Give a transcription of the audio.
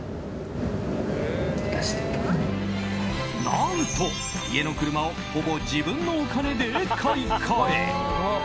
何と、家の車をほぼ自分のお金で買い替え。